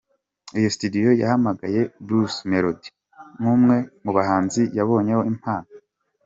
Iyo studio yahamagaye Bruce Melody nk’umwe mubahanzi yabonyeho impano.